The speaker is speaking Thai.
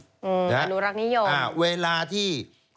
อืมอันดุลักษณ์นิยมอ่าเวลาที่